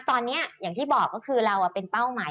ตอนนี้อย่างที่บอกก็คือเราเป็นเป้าหมาย